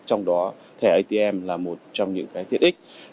trong đó thẻ atm là một trong những cái tiện ích